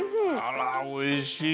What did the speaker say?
おいしい！